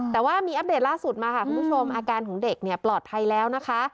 แต่ว่ามีอัปเดตล่าสุดมาค่ะคุณผู้ชมอาการของเด็กเนี่ยปลอดภัยแล้วนะคะ